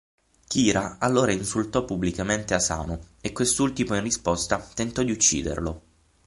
Kira allora insultò pubblicamente Asano e quest'ultimo in risposta tentò di ucciderlo.